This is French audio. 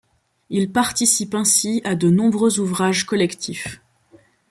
Il participe ainsi à de nombreux ouvrages collectifs.